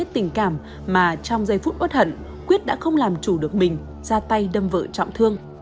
trong giây phút ốt hận quyết đã không làm chủ được mình ra tay đâm vỡ trọng thương